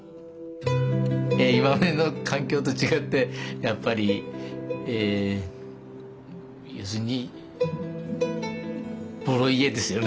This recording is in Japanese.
今までの環境と違ってやっぱり要するにボロ家ですよね。